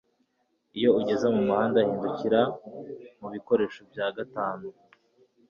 iyo ugeze mumuhanda, hindukira mubikoresho bya gatanu